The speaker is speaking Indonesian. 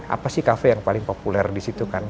apa sih kafe yang paling populer di situ kan